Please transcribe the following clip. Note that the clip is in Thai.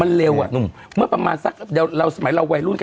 มันเร็วอ่ะหนุ่มเมื่อประมาณสักเดี๋ยวเราสมัยเราวัยรุ่นกัน